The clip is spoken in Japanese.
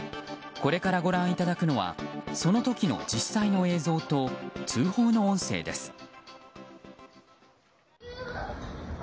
これからご覧いただくのはその時の実際の映像と通報の音声です。